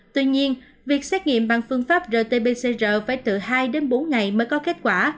tuy nhiên việc xét nghiệm bằng phương pháp rt pcr phải từ hai đến bốn ngày mới có kết quả